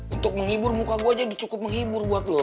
untuk menghibur muka gua jadi cukup menghibur buat lu